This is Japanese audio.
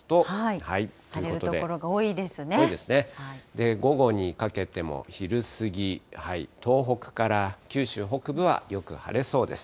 で、午後にかけても昼過ぎ、東北から九州北部はよく晴れそうです。